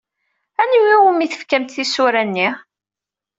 Anwa umi tefkamt tisura-nni?